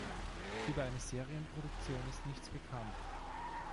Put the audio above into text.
Über eine Serienproduktion ist nichts bekannt.